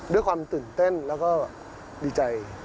ด้วยความตื่นเต้นแล้วก็ดีใจ